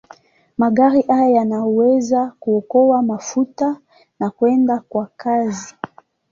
Magari haya yanaweza kuokoa mafuta na kwenda kwa kasi.